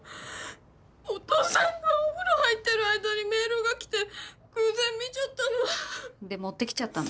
お父さんがお風呂入ってる間にメールが来て偶然見ちゃったの。で持ってきちゃったの？